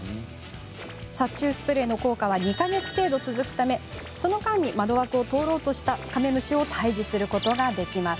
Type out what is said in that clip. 殺虫スプレーの効果は２か月程度続くため、その間に窓枠を通ろうとしたカメムシを退治することができます。